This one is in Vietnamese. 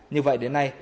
như vậy đến nay